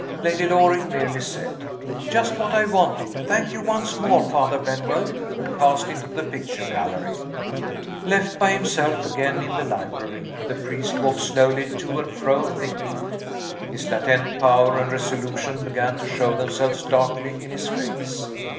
Lady Loring merely said, "Just what I wanted; thank you once more, Father Benwell" and passed into the picture gallery. Left by himself again in the library, the priest walked slowly to and fro, thinking. His latent power and resolution began to show themselves darkly in his face.